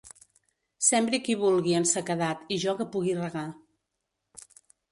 Sembri qui vulgui en sequedat i jo que pugui regar.